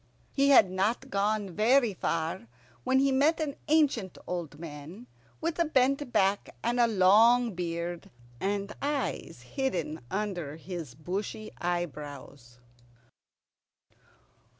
He had not gone very far when he met an ancient old man with a bent back, and a long beard, and eyes hidden under his bushy eyebrows.